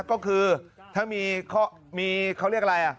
ก็คือถ้ามีเขาเรียกอะไร